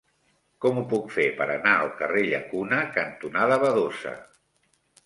Com ho puc fer per anar al carrer Llacuna cantonada Badosa?